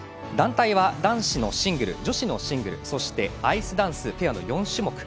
団体は、男子のシングル女子のシングルそして、アイスダンスペアの４種目。